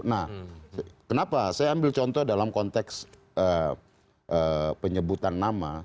nah kenapa saya ambil contoh dalam konteks penyebutan nama